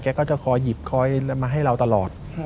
แค่ก็จะคอยหยีบไว้มันมาให้เราตลอด